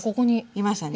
いましたね。